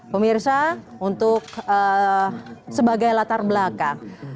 pemirsa untuk sebagai latar belakang